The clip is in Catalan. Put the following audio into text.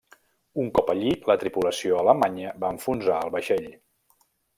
Un cop allí, la tripulació alemanya va enfonsar el vaixell.